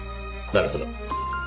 なるほど。